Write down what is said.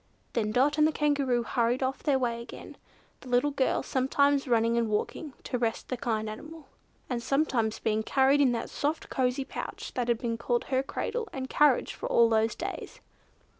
Then Dot and the Kangaroo hurried on their way again, the little girl sometimes running and walking to rest the kind animal, and sometimes being carried in that soft cosy pouch that had been her cradle and carriage for all those days.